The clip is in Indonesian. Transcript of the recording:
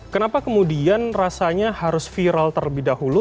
kenapa kemudian rasanya harus viral terlebih dahulu